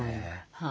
はい。